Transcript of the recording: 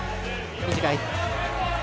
短い。